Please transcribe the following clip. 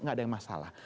gak ada yang masalah